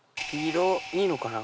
いいのかな？